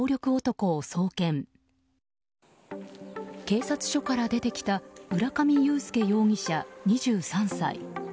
警察署から出てきた浦上裕介容疑者、２３歳。